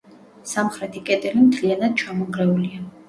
სამხრეთი კედელი მთლიანად ჩამონგრეულია.